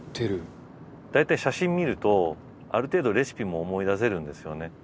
大体写真見るとある程度レシピも思い出せるんですよね。